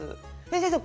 先生